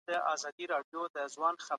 ښځي دې هم په نورو ښځو ملنډي نه وهي.